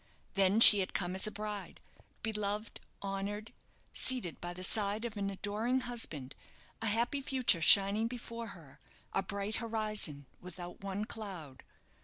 Then she had come as a bride, beloved, honoured, seated by the side of an adoring husband a happy future shining before her, a bright horizon without one cloud.